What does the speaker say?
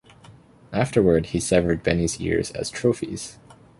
Afterward, he severed Beni's ears as trophies.